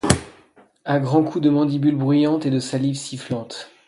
À grands coups de mandibules bruyantes et de salive sifflante.